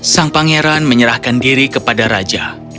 sang pangeran menyerahkan diri kepada raja